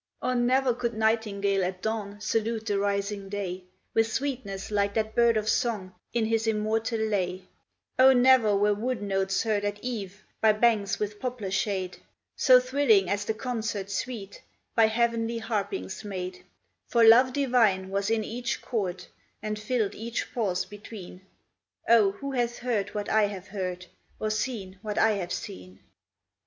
O ne'er could nightingale at dawn salute the rising day With sweetness like that bird of song in his immortal lay: O ne'er were woodnotes heard at eve by banks with poplar shade So thrilling as the concert sweet by heav'nly harpings made; For love divine was in each chord, and filled each pause between: O, who hath heard what I have heard, or seen what I have seen?